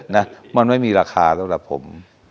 นะมันไม่มีราคาสำหรับผม